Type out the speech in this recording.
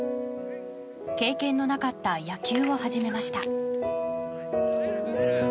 経験のなかった野球を始めました。